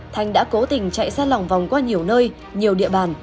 thanh đã cố tình chạy xa lòng vòng qua nhiều nơi nhiều địa bàn